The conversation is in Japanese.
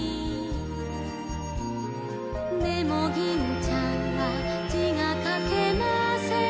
「でも銀ちゃんは字が書けません」